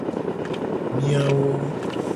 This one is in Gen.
Miawo.